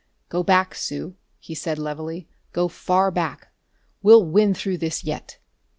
"Go back, Sue," he said levelly. "Go far back. We'll win through this yet."